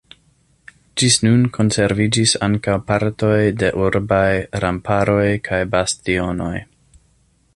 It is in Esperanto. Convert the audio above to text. Ĝis nun konserviĝis ankaŭ partoj de urbaj remparoj kaj bastionoj.